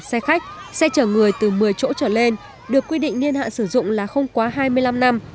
xe khách xe chở người từ một mươi chỗ trở lên được quy định niên hạn sử dụng là không quá hai mươi năm năm